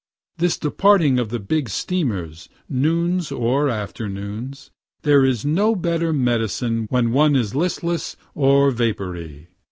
This departing of the big steamers, noons or afternoons there is no better medicine when one is listless or vapory.